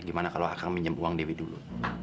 gimana kalau akan minjem uang dewi dulu